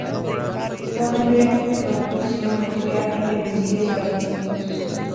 Disponen de propulsión nuclear y de misiles balísticos.